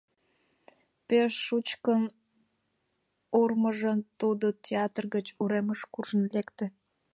Пеш шучкын урмыжын, тудо театр гыч уремыш куржын лекте.